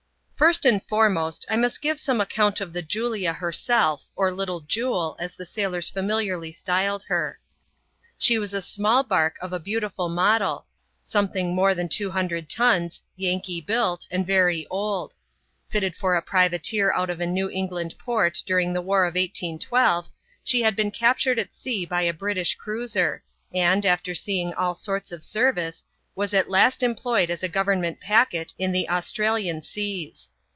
First and foremost, I must give some account of the Julia herself, or " Little Jule," as the sailors femiliarly styled her. She was a small barque of a beautiful model, something more than two hundred tons, Yankee built, and very old. Fitted for a privateer out of a New England port during the war of 1812, she had been captured at sea by a British cruiser, and, after seeing all sorts of service, was at last employed as a government packet in the Austi'alian seas.